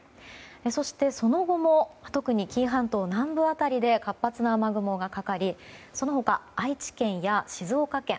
そして、その後も特に紀伊半島南部辺りで活発な雨雲がかかりその他、愛知県や静岡県